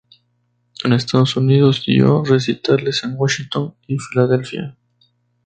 En Estados Unidos dio recitales en Washington y Filadelfia.